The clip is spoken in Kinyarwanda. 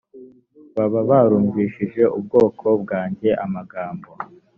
baba barumvishije ubwoko bwanjye amagambo